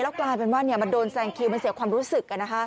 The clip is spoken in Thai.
แล้วกลายเป็นว่าเนี้ยมันโดนแซงคิวมันเสียความรู้สึกกันนะคะ